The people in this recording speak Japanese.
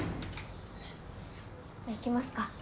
じゃあ行きますか。